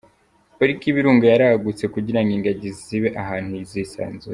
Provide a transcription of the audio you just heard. Pariki y’Ibirunga yaragutse kugira ngo ingagi zibe ahantu zisanzuye.